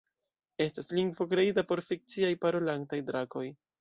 Estas lingvo kreita por fikciaj parolantaj drakoj.